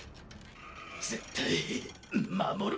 絶対守る！